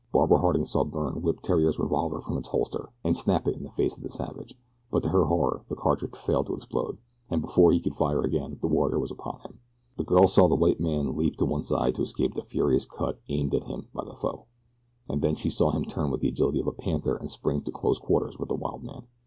Barbara Harding saw Byrne whip Theriere's revolver from its holster, and snap it in the face of the savage; but to her horror the cartridge failed to explode, and before he could fire again the warrior was upon him. The girl saw the white man leap to one side to escape the furious cut aimed at him by his foe, and then she saw him turn with the agility of a panther and spring to close quarters with the wild man.